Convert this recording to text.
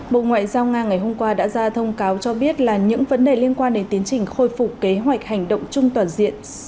bộ ngoại giao nga ngày hôm qua đã ra thông cáo cho biết là những vấn đề liên quan đến tiến trình khôi phục kế hoạch hành động chung toàn diện